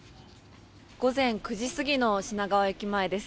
午前９時過ぎの品川駅前です。